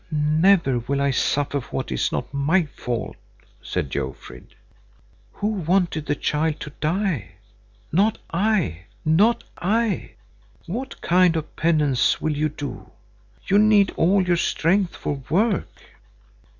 "Never will I suffer for what is not my fault," said Jofrid. "Who wanted the child to die? Not I, not I. What kind of a penance will you do? You need all your strength for work."